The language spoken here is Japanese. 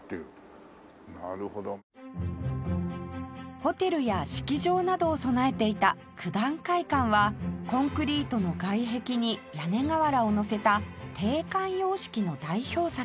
ホテルや式場などを備えていた九段会館はコンクリートの外壁に屋根瓦をのせた帝冠様式の代表作